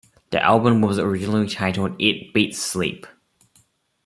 The album was originally titled "It Beats Sleep".